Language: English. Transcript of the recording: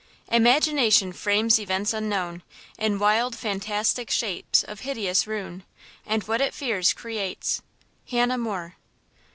Imagination frames events unknown, In wild, fantastic shapes of hideous ruin, And what it fears creates! –HANNAH MORE.